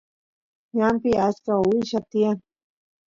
ñanpi achka willa tiyan